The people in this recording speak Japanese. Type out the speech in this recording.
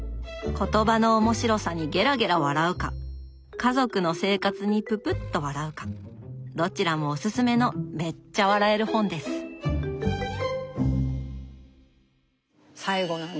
言葉の面白さにゲラゲラ笑うか家族の生活にププッと笑うかどちらもおすすめのめっちゃ笑える本です。